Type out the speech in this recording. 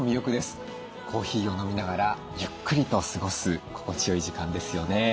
コーヒーを飲みながらゆっくりと過ごす心地よい時間ですよね。